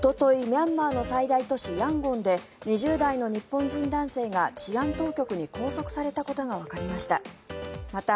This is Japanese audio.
ミャンマーの最大都市ヤンゴンで２０代の日本人男性が治安当局に拘束されたことがわかりました。